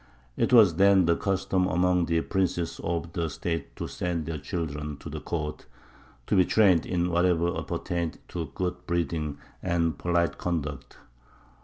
It was then the custom among the princes of the State to send their children to the court, to be trained in whatever appertained to good breeding and polite conduct.